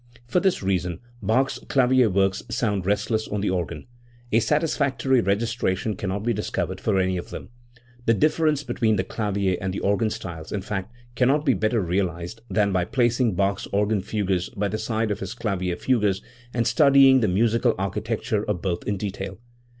For this reason Bach's clavier works sound rest less on the organ. A satisfactory registration cannot be discovered for any of them. The difference between the clavier and the organ styles, in fact, cannot be better realised than by placing Bach's organ fugues by the side of his clavier fugues, and studying the musical architecture of both in detail.